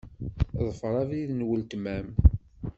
Ḍfeṛ abrid n weltma-m.